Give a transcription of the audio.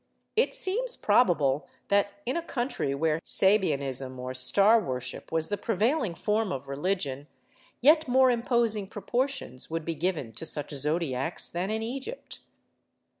It seems probable that in a country where Sabæanism, or star worship, was the prevailing form of religion, yet more imposing proportions would be given to such zodiacs than in Egypt.